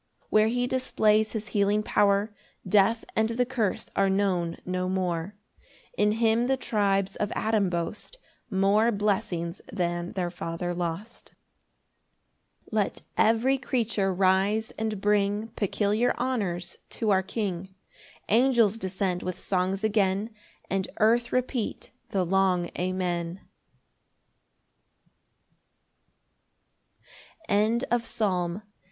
7 [Where he displays his healing power, Death and the curse are known no more; In him the tribes of Adam boast More blessings than their father lost. 8 Let every creature rise, and bring Peculiar honours to our King; Angels descend with songs again, And earth repeat the long Amen.] Psalm 73:1.